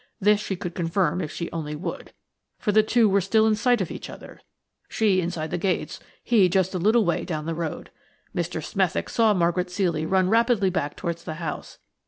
This she could confirm if she only would, for the two were still in sight of each other, she inside the gates, he just a little way down the road. Mr. Smethick saw Margaret Ceely run rapidly back towards the house.